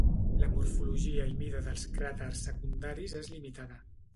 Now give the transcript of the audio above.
La morfologia i mida dels cràters secundaris és limitada.